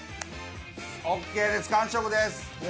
ＯＫです完食です。